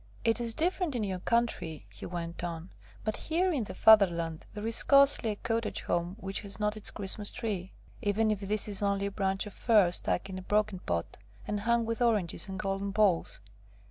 "It is different in your country," he went on, "but here, in the Fatherland, there is scarcely a cottage home which has not its Christmas tree, even if this is only a branch of fir stuck in a broken pot, and hung with oranges and golden balls.